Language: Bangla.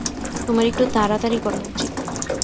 তোমার একটু তাড়াতাড়ি করা উচিত।